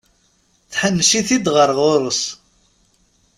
Tḥennec-it-d ɣer ɣur-s.